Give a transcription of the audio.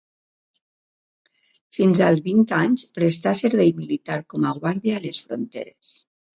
Fins als vint anys prestà servei militar com a guàrdia a les fronteres.